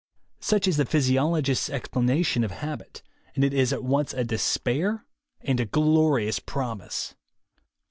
Such is the physiologist's explanation of habit, and it is at once a despair and a glorious promise.